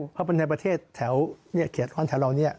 เพราะปัญหาประเทศแถวนี้เขียนร้อนแถวเรานี้